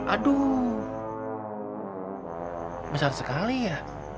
aduh besar sekali ya